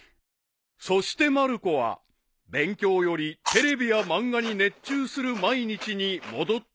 ［そしてまる子は勉強よりテレビや漫画に熱中する毎日に戻ったのであった］